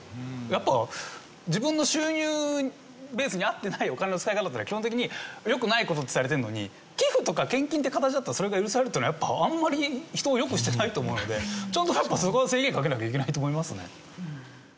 やっぱ自分の収入ベースに合ってないお金の使い方っていうのは基本的によくない事ってされてるのに寄付とか献金って形だとそれが許されるっていうのはやっぱあんまり人をよくしてないと思うのでちゃんとやっぱそこは制限かけなきゃいけないと思いますね。